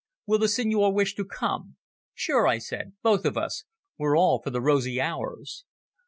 "Will the Signor wish to come?" "Sure," I said. "Both of us. We're all for the rosy hours."